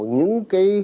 những cái dự án lớn